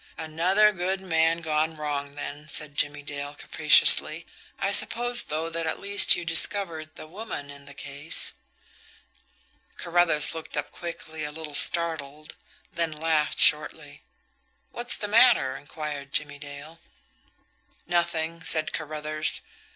"Another good man gone wrong, then," said Jimmie Dale capriciously. "I suppose, though, that at least you discovered the 'woman in the case'?" Carruthers looked up quickly, a little startled; then laughed shortly. "What's the matter?" inquired Jimmie Dale. "Nothing," said Carruthers.